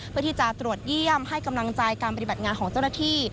เพื่อที่จะตรวจเยี่ยมให้กำลังใจการปฏิบัติงานของเจ้าหน้าที่